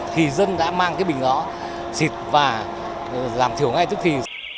thì dân đã mang cái bình đó xịt và giảm thiểu ngay trước khi